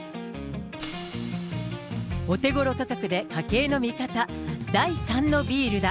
お手ごろ価格で家計の味方、第３のビールだ。